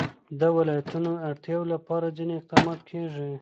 د ولایتونو د اړتیاوو لپاره ځینې اقدامات کېږي.